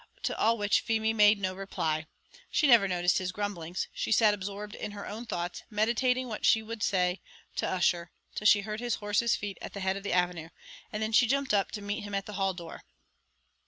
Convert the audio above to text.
to all which Feemy made no reply; she never noticed his grumblings; she sat absorbed in her own thoughts, meditating what she would say to Ussher, till she heard his horse's feet at the head of the avenue, and then she jumped up to meet him at the hall door.